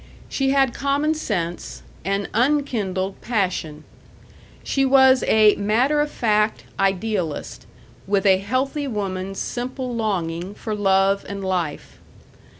She had common sense and unkindled passion. She was a matter of fact idealist, with a healthy woman's simple longing for love and life.